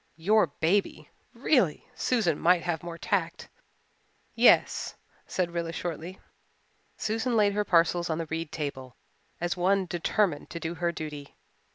Your baby! Really, Susan might have more tact. "Yes," said Rilla shortly. Susan laid her parcels on the reed table, as one determined to do her duty.